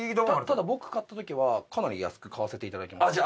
ただ僕買った時はかなり安く買わせて頂きました。